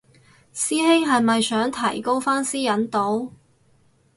師兄係咪想提高返私隱度